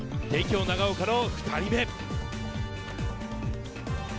帝京長岡の２人目。